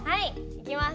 いきます。